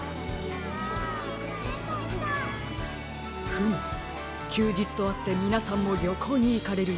フムきゅうじつとあってみなさんもりょこうにいかれるようですね。